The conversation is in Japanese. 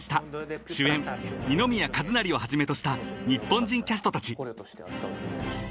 二宮和也をはじめとした日本人キャストたち］